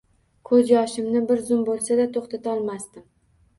Ko`z yoshimni bir zum bo`lsa-da, to`xtatolmasdim